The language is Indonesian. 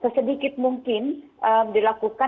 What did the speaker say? sedikit mungkin dilakukan